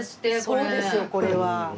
そうですよこれは。